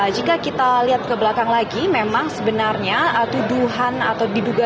jika kita lihat ke belakang lagi memang sebenarnya tuduhan atau diduga